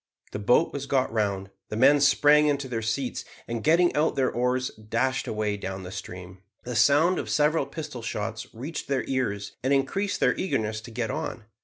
The boat was got round, the men sprang into their seats, and, getting out their oars, dashed away down the stream. The sound of several pistol shots reached their ears and increased their eagerness to get on.